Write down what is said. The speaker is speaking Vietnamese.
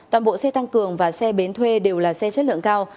toàn bộ xe tăng cường và xe bến thuê đều là xe chất lượng cao